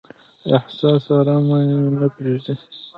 احساس ارام مې نه پریږدي.